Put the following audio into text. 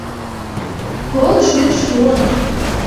Кол шӱр шуын.